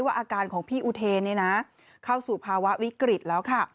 อาการของพี่อุเทนเข้าสู่ภาวะวิกฤตแล้วค่ะ